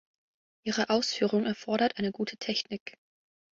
Ihre Ausführung erfordert eine gute Technik.